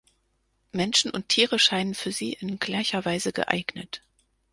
Menschen und Tiere scheinen für sie in gleicher Weise geeignet.